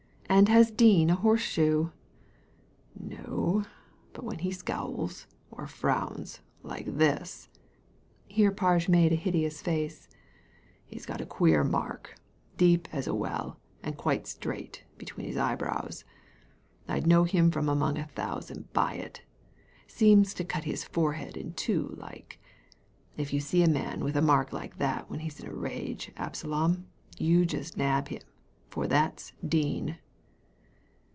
"And has Dean a horseshoe ?"" No. But when he scowls, or frowns, like this "— here Parge made a hideous face —he's got a queer mark, deep as a well and quite straight, between his eyebrows. I'd know him from among a thousand by it Seems to cut his forehead in two like. If you see a man with a mark like that when he's in a rage, Absalom, just you nab him, for that's Dean."